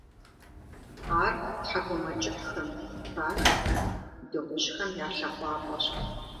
Ар тхьэкӀумэкӀыхьхэм, бажэхэм, дыгъужьхэм я лъэкъуапӀэщ.